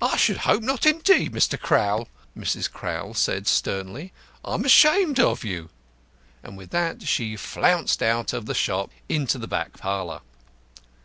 "I should hope not, indeed, Mr. Crowl," Mrs. Crowl said sternly. "I'm ashamed of you." And with that she flounced out of the shop into the back parlour.